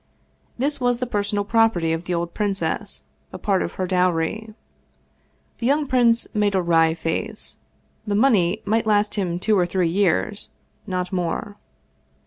This was the personal property of the old princess, a part of her dowry. The young prince made a wry face the money might last him two or three years, not more.